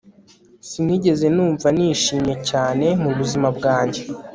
Sinigeze numva nishimye cyane mubuzima bwanjye